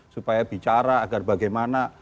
supaya bicara agar bagaimana